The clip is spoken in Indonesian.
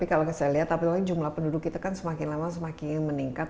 kalau saya lihat jumlah penduduk kita kan semakin lama semakin meningkat